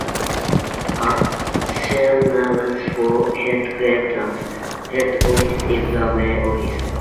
A synonym for "headquarters, head office" is the main office.